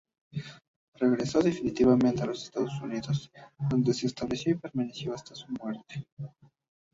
Regresó definitivamente a los Estados Unidos, donde se estableció y permaneció hasta su muerte.